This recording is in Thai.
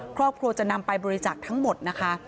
ครอบครัวจะนำไปบริจาคทั้งหมดนะคะ